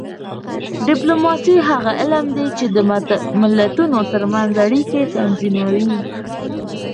ډیپلوماسي هغه علم دی چې د ملتونو ترمنځ اړیکې تنظیموي